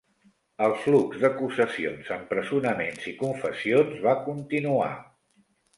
El flux d'acusacions, empresonaments i confessions va continuar.